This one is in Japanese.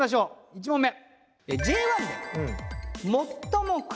１問目。